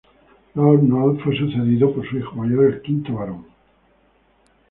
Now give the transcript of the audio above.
Lord North fue sucedido por su hijo mayor, el quinto barón.